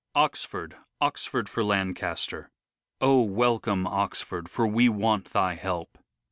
"Oxford, Oxford, for Lancaster." "Ol welcome Oxford, for we want thy help."